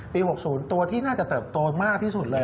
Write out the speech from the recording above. ๖๐ตัวที่น่าจะเติบโตมากที่สุดเลย